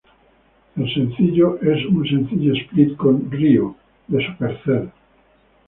El sencillo es un sencillo split con Ryo, de Supercell.